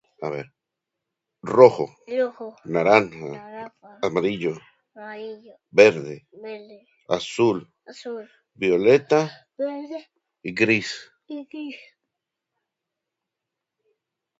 A ver, rojo (rojo), naranja (naranja), amarillo (marillo), verde (vede), azul (azul), violeta (vede) y gris (y gris).